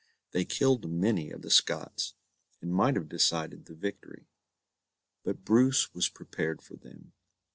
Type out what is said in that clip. They killed many of the Scots, and might have decided the victory; but Bruce was prepared for them.